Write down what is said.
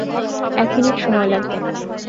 এক মিনিট সময় লাগবে।